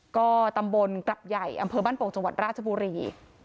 ก็ตำบลกรับใหญ่อำเภอบ้านโป่งจังหวัดราชบุรี